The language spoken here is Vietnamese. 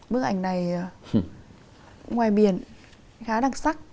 bức ảnh này ngoài biển khá đặc sắc